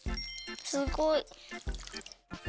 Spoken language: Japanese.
すごい。